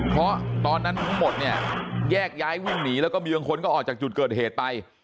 เพราะตอนนั้นทั้งหมดเนี่ยแยกย้ายวิ่งหนีแล้วก็มีบางคนก็ออกจากจุดเกิดเหตุไป